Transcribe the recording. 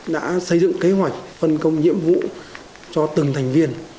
đã xây dựng kế hoạch phân công nhiệm vụ cho từng thành viên